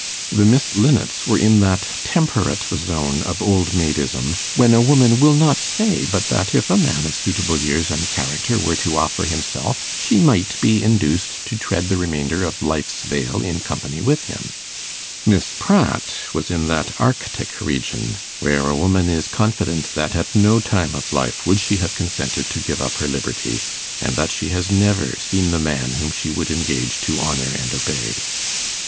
The Miss Linnets were in that temperate zone of old maidism, when a woman will not say but that if a man of suitable years and character were to offer himself, she might be induced to tread the remainder of life's vale in company with him; Miss Pratt was in that arctic region where a woman is confident that at no time of life would she have consented to give up her liberty, and that she has never seen the man whom she would engage to honour and obey.